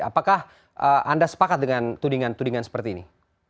apakah anda sepakat dengan tudingan tudingan seperti ini